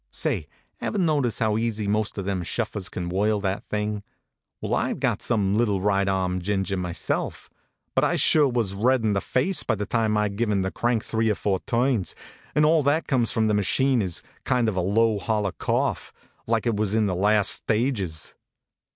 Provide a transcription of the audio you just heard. Say, ever notice how easy most of them shuffers can whirl that thing? Well, I ve got some little right arm ginger my HONK, HONK! self; but I sure was red in the face by the time I d given the crank three or four turns, and all that comes from the machine is a kind of low, hollow cough, like it was in the last stages.